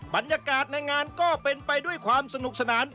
บรรยากาศในงานก็เป็นไปด้วยความสนุกสนาน